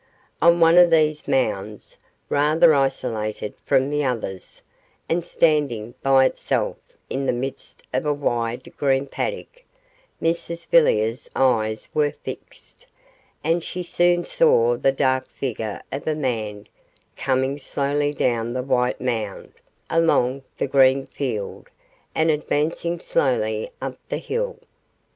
On one of these mounds, rather isolated from the others, and standing by itself in the midst of a wide green paddock, Mrs Villiers' eyes were fixed, and she soon saw the dark figure of a man coming slowly down the white mound, along the green field and advancing slowly up the hill.